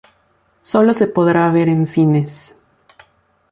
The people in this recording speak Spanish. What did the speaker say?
Solo se podrá ver en cines.